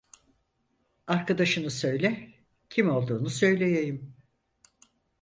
Arkadaşını söyle, kim olduğunu söyleyeyim.